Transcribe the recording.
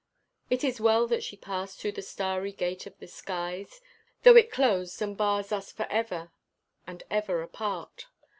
It is well that she passed through the starry gate of the skies Though it closed and bars us forever and ever apart.